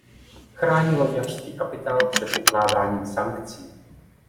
Chrání loďařský kapitál před ukládáním sankcí.